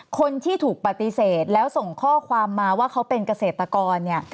คนที่ถูกปฏิเสธแล้วส่งข้อความมาว่าเขาเป็นเกษตรกรเนี่ย